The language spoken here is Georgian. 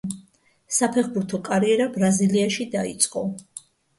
საფეხბურთო კარიერა ბრაზილიაში დაიწყო.